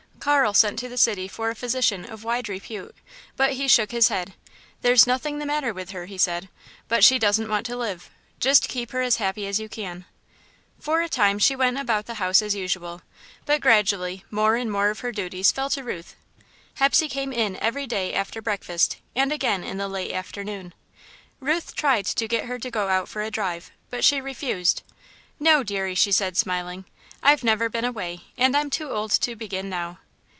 Carl sent to the city for a physician of wide repute, but he shook his head. "There's nothing the matter with her," he said, "but she doesn't want to live. Just keep her as happy as you can." For a time she went about the house as usual, but, gradually, more and more of her duties fell to Ruth. Hepsey came in every day after breakfast, and again in the late afternoon. Ruth tried to get her to go out for a drive, but she refused. "No, deary," she said, smiling, "I've never been away, and I'm too old to begin now."